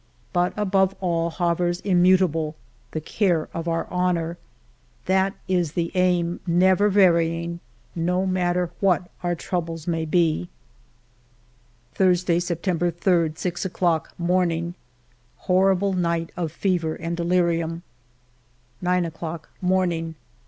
But above all hovers immutable the care of our honor ; that is the aim, never varying, no matter what our troubles may be. Thursday, September 3, 6 o'clock, morning. Horrible night of fever and delirium. ALFRED DREYFUS 109 9 0^ clock, morning.